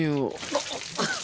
あっ！